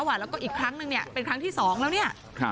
ถ้าว่าเราก็อีกครั้งแล้วเป็นครั้งที่สองแล้ว